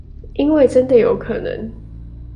因為真有可能